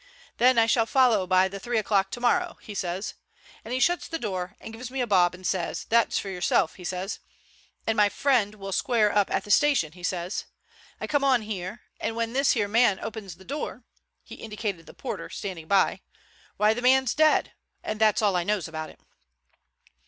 Then I shall follow by the three o'clock tomorrow,' he sez, and he shuts the door and gives me a bob and sez, 'That's for yourself,' he sez, 'and my friend will square up at the station,' he sez. I came on here, and when this here man opens the door," he indicated a porter standing by, "why, the man's dead. And that's all I knows about it."